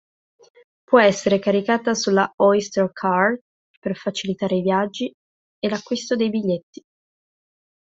Può essere caricata sulla Oyster Card per facilitare i viaggi e l'acquisto dei biglietti.